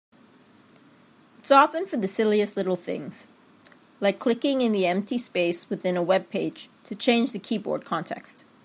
It's often for the silliest little things, like clicking in the empty space within a webpage to change the keyboard context.